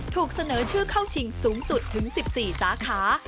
ถูกเสนอชื่อเข้าชิงสูงสุดถึง๑๔สาขา